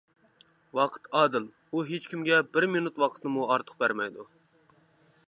ۋاقىت ئادىل، ئۇ ھېچكىمگە بىر مىنۇت ۋاقىتنىمۇ ئارتۇق بەرمەيدۇ.